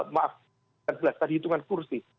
maaf tadi hitungan kursi